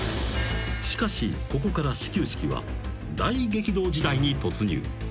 ［しかしここから始球式は大激動時代に突入］